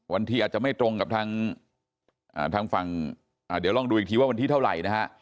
ที่อาจจะไม่ตรงกับทางฝั่งเดี๋ยวลองดูอีกทีว่าวันที่เท่าไหร่นะฮะ